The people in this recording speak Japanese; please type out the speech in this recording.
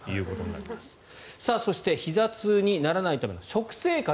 そして、ひざ痛にならないための食生活。